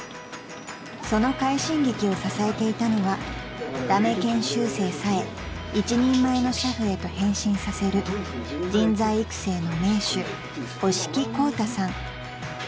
［その快進撃を支えていたのは駄目研修生さえ一人前の俥夫へと変身させる人材育成の名手押木宏太さん］